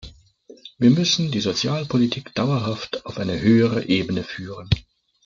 Wir müssen die Sozialpolitik dauerhaft auf eine höhere Ebene führen.